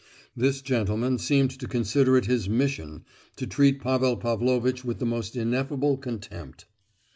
This gentleman seemed to consider it his mission to treat Pavel Pavlovitch with the most ineffable contempt.